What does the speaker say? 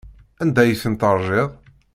Anda ay ten-teṛjiḍ?